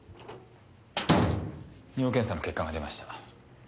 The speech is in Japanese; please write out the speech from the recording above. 尿検査の結果が出ました。